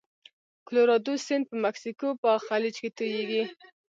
کلورادو سیند په مکسیکو په خلیج کې تویږي.